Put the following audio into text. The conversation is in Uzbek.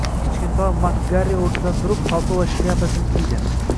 Kichkintoy Mak-Garri o`rnidan turib, palto va shlyapasini kiydi